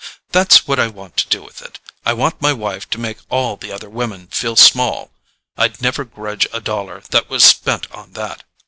That's what I want to do with it: I want my wife to make all the other women feel small. I'd never grudge a dollar that was spent on that.